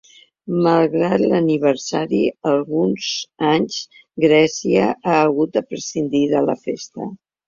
Malgrat l’aniversari, alguns anys Grècia ha hagut de prescindir de la festa.